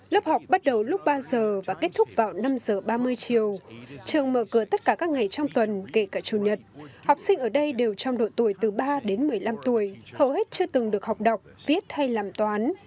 lớp học bắt đầu lúc ba giờ và kết thúc vào năm giờ ba mươi chiều trường mở cửa tất cả các ngày trong tuần kể cả chủ nhật học sinh ở đây đều trong độ tuổi từ ba đến một mươi năm tuổi hầu hết chưa từng được học đọc viết hay làm toán